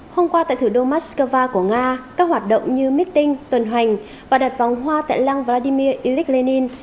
hôm qua tại thủ đô moscow của nga các hoạt động như meeting tuần hành và đặt vòng hoa tại lăng vladimir ilyich lenin